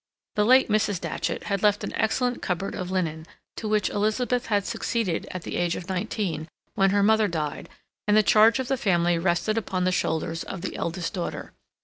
The late Mrs. Datchet had left an excellent cupboard of linen, to which Elizabeth had succeeded at the age of nineteen, when her mother died, and the charge of the family rested upon the shoulders of the eldest daughter.